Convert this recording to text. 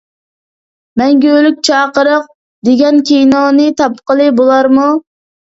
«مەڭگۈلۈك چاقىرىق» دېگەن كىنونى تاپقىلى بولارمۇ؟